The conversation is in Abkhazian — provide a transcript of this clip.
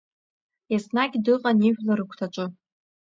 Еснагь дыҟан ижәлар рыгәҭаҿы.